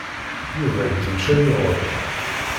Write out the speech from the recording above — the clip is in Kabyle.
Yuba yettemcabi ɣur-i.